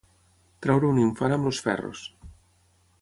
Treure un infant amb els ferros.